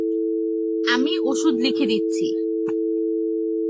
আমি ওষুধ লিখে দিচ্ছি।